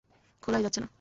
খোলাই যাচ্ছে না!